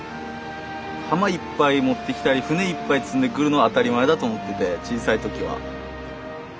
浜いっぱい持ってきたり船いっぱい積んでくるのは当たり前だと思ってて小さい時は。